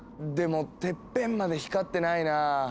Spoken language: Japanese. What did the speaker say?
でもてっぺんまで光ってないな。